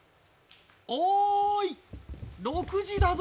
おーい、６時だぞ。